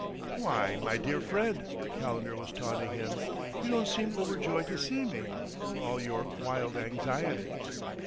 "Why, my dear friend," Calendar was taunting him, "you don't seem overjoyed to see me, for all your wild anxiety!